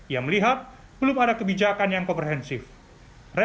ia melihat belum ada kebijakan yang komprehensif dan tidak ada yang menyebabkan keperluan